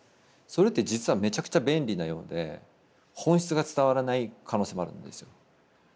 それって実はめちゃくちゃ便利なようで本質が伝わらない可能性もあるんですよ。